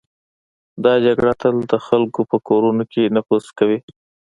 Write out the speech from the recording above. دا جګړه تل د خلکو په کورونو کې نفوذ کوي.